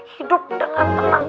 hidup dengan tenang